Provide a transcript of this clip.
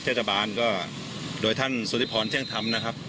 เทศบาลก็โดยท่านสุธิพรเที่ยงธรรมนะครับ